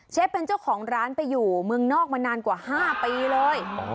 เป็นเจ้าของร้านไปอยู่เมืองนอกมานานกว่า๕ปีเลย